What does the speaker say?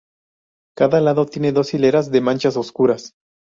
Cada lado tiene dos hileras de manchas oscuras.